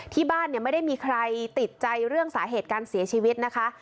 ที่บ้านเนี่ยไม่ได้มีใครติดใจเรื่องสาเหตุการเสียชีวิตนะคะ